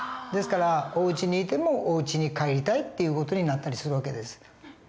ですからおうちにいてもおうちに帰りたいっていう事になったりする訳です。